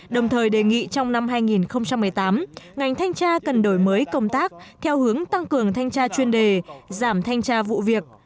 đồng thời đề nghị trong năm hai nghìn một mươi tám ngành thanh tra cần đổi mới công tác theo hướng tăng cường thanh tra chuyên đề giảm thanh tra vụ việc